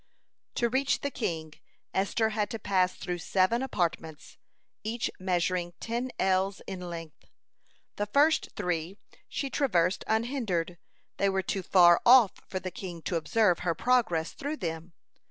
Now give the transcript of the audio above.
To reach the king, Esther had to pass through seven apartments, each measuring ten ells in length. The first three she traversed unhindered; they were too far off for the king to observe her progress through them.